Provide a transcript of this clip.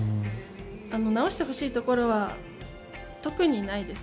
直してほしいところは特にないです。